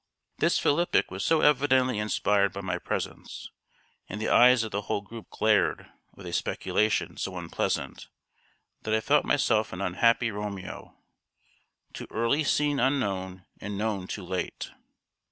This philippic was so evidently inspired by my presence, and the eyes of the whole group glared with a speculation so unpleasant, that I felt myself an unhappy Romeo, "too early seen unknown and known too late."